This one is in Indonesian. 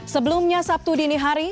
sebelumnya sabtu dinihari